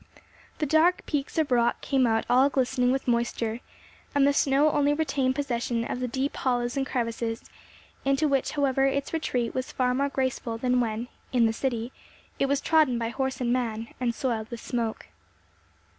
The dark peaks of rock came out all glistening with moisture, and the snow only retained possession of the deep hollows and crevices, into which however its retreat was far more graceful than when, in the city, it was trodden by horse and man, and soiled with smoke.